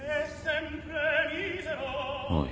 おい。